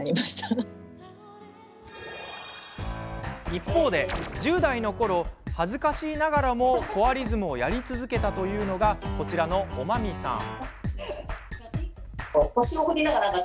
一方で、１０代のころ恥ずかしいながらもコアリズムをやり続けたというのが、こちらのおまみさん。